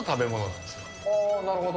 なるほど。